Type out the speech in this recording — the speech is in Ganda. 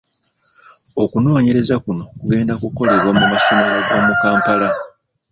Okunoonyereza kuno kugenda kukolebwa mu masomero g'omu Kampala